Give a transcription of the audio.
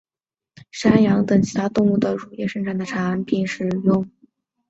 也可指为使用山羊等其他动物的乳汁生产的产品。